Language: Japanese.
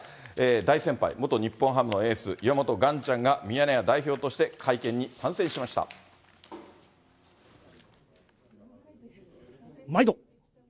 大先輩、元日本ハムのエース、岩本ガンちゃんがミヤネ屋代表としまいど！